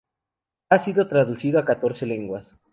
Ha sido traducido a catorce lenguas.